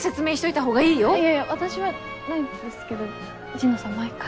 いやいや私はないですけど神野さん毎回。